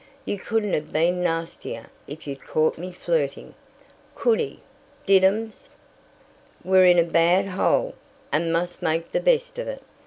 You couldn't have been nastier if you'd caught me flirting. Could he, diddums?" "We're in a bad hole, and must make the best of it.